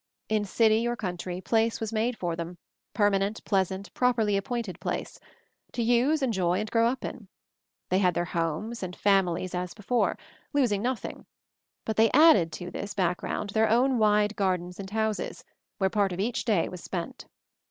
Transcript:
In city or coun try, place was made for them, permanent, pleasant, properly appointed place; to use, enjoy, and grow up in. They had their homes and families as before, losing noth ing; but they added to this background their own wide gardens and houses, where part of each day was spent.